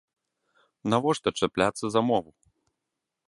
Навошта чапляцца за мову?